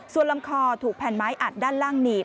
ส่วนลำคอถูกแผ่นไม้อัดด้านล่างหนีบ